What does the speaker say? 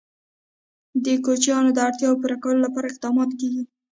د کوچیانو د اړتیاوو پوره کولو لپاره اقدامات کېږي.